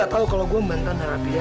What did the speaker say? lu gak tahu kalau gue bantan harap dia ya